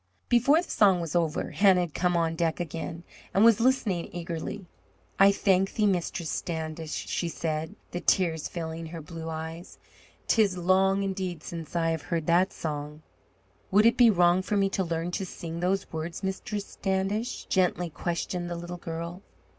Before the song was over, Hannah had come on deck again, and was listening eagerly. "I thank thee, Mistress Standish," she said, the tears filling her blue eyes. "'Tis long, indeed, since I have heard that song." "Would it be wrong for me to learn to sing those words, Mistress Standish?" gently questioned the little girl.